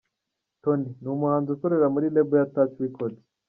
Tony: Ni umuhanzi ukorera muri Label ya Touch Records.